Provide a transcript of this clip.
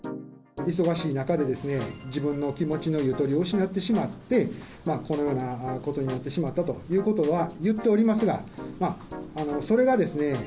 忙しい中でですね、自分の気持ちのゆとりを失ってしまって、このようなことになってしまったということは言っておりますが、それがですね、